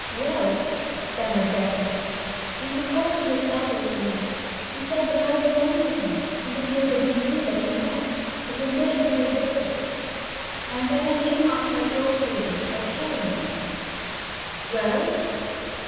'Well,' stammered Betty, 'in the course of his letters to me he said that I belonged to him, and if nobody knew that we met it would make no difference. And that I need not hurt your feelings by telling you.' 'Well?'